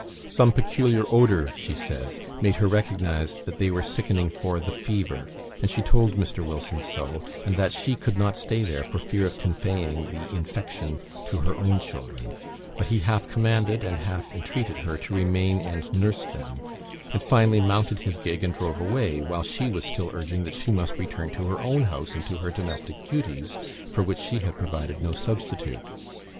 Some peculiar odour, she says, made her recognise that they were sickening for "the fever;" and she told Mr. Wilson so, and that she could not stay there for fear of conveying the infection to her own children; but he half commanded, and half entreated her to remain and nurse them; and finally mounted his gig and drove away, while she was still urging that she must return to her own house, and to her domestic duties, for which she had provided no substitute.